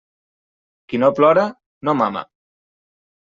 Qui no plora, no mama.